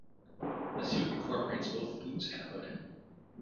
The suit incorporates both boots and hood.